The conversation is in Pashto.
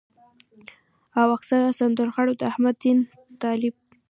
او اکثره سندرغاړو د احمد دين طالب